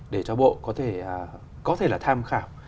để cho bộ có thể là tham khảo